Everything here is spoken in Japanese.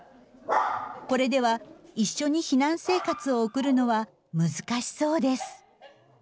これでは一緒に避難生活を送るのは難しそうです。